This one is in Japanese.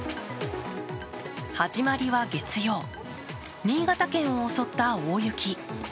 始まりは月曜、新潟県を襲った大雪。